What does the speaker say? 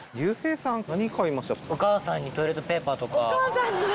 「お母さんにトイレットペーパー」